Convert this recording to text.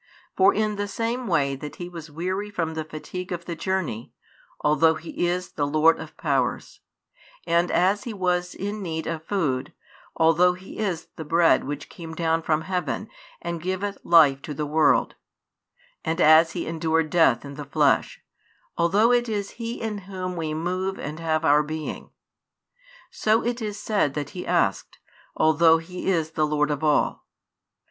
For in the same way that He was weary from the fatigue of the journey, although He is the Lord of Powers; and as He was in need of food, although He is the Bread which came down from heaven, and giveth life to the world; and as He endured death in the flesh, although it is He in Whom we move and have our being; so it is said that He asked, although He is the Lord of all.